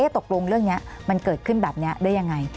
ตกลงเรื่องนี้มันเกิดขึ้นแบบนี้ได้ยังไง